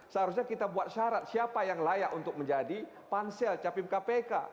seharusnya kita buat syarat siapa yang layak untuk menjadi pansel capim kpk